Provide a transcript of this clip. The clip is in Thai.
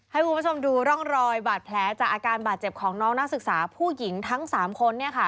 ให้คุณผู้ชมดูร่องรอยบาดแผลจากอาการบาดเจ็บของน้องนักศึกษาผู้หญิงทั้ง๓คน